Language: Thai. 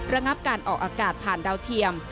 ระงับการออกอากาศผ่านดาวเทียม